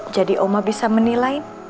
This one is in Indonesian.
jadi oma bisa menilai